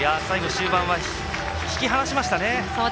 最後、終盤は引き離しましたね。